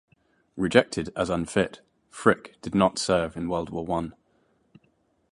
Rejected as unfit, Frick did not serve in World War One.